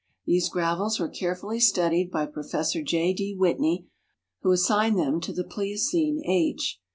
These gravels were carefully studied by Prof. J. D. Whitney, who assigned them to the Plioceneage.